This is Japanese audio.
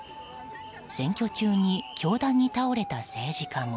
選挙中に凶弾に倒れた政治家も。